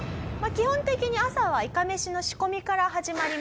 基本的に朝はいかめしの仕込みから始まりますね。